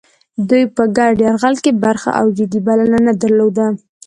دوی په ګډ یرغل کې برخه او جدي بلنه نه درلوده.